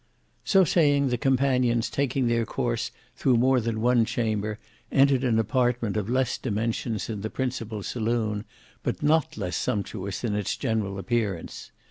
So saying, the companions, taking their course through more than one chamber, entered an apartment of less dimensions than the principal saloon, but not less sumptuous in its general appearance.